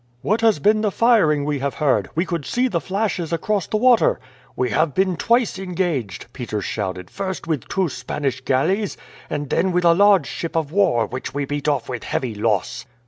"What has been the firing we have heard? We could see the flashes across the water." "We have been twice engaged," Peters shouted; "first with two Spanish galleys, and then with a large ship of war, which we beat off with heavy loss."